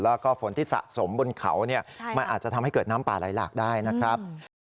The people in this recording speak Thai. แล้วก็ฝนที่สะสมบนเขาเนี่ยมันอาจจะทำให้เกิดน้ำป่าไหลหลากได้นะครับ